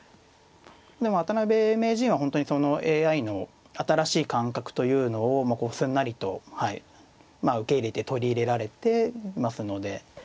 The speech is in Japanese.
でも渡辺名人は本当にそのＡＩの新しい感覚というのをこうすんなりと受け入れて取り入れられていますので。